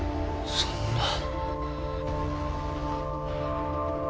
そんな。